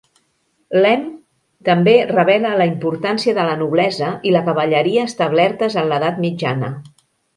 L'elm també revela la importància de la noblesa i la cavalleria establertes en l'edat mitjana.